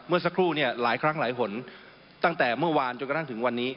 เมื่อสักครู่เนี่ยหลายครั้งหลายหนตั้งแต่เมื่อวานจนกระทั่งถึงวันนี้